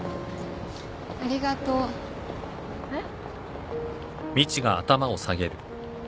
ありがとう。えっ？